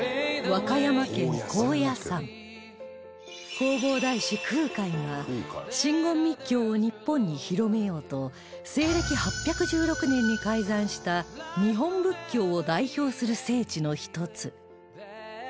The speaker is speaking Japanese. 弘法大師空海が真言密教を日本に広めようと西暦８１６年に開山した日本仏教を代表する聖地の一つ